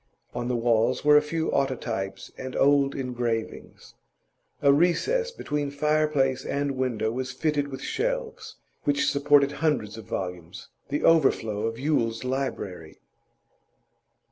On the walls were a few autotypes and old engravings. A recess between fireplace and window was fitted with shelves, which supported hundreds of volumes, the overflow of Yule's library.